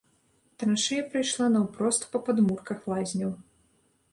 Траншэя прайшла наўпрост па падмурках лазняў.